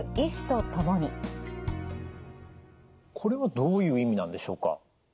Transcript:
これはどういう意味なんでしょうか？